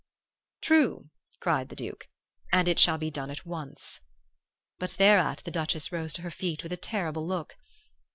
"'True!' cried the Duke, 'and it shall be done at once.' "But thereat the Duchess rose to her feet with a terrible look.